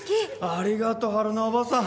ありがと春菜叔母さん。